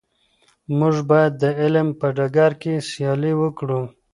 موږ باید د علم په ډګر کي سیالي وکړو.